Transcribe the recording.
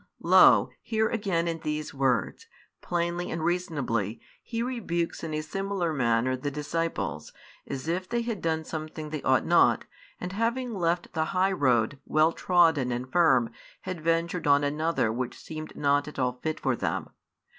Lo here again in these words, plainly and reasonably, He rebukes in a similar manner the disciples, as if they had done something they ought not, and having left the high road, well trodden and firm, had ventured on another |16 which seemed not at all fit for them.